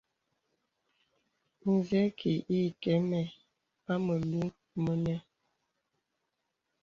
Zə kì ìkɛ̂ mə a mèlù mìnə̀.